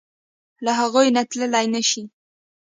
له هغوی نه تللی نشې.